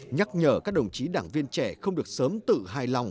nhắc nhở các đồng chí đảng viên trẻ không được sớm tự hài lòng